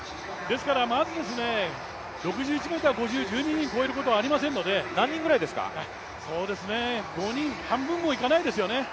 まず、６１ｍ５０を１２人が越えることはありませんので５人半分もいかないですよね。